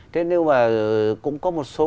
thế nếu mà cũng có một số